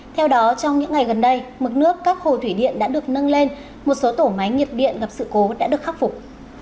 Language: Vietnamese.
theo đó trong những ngày gần đây mực nước các hồ thủy điện đã được nâng lên một số tổ máy nhiệt điện gặp sự cố đã được khắc phục